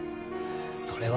それは。